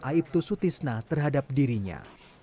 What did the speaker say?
aibtu sutisna terhadap dirinya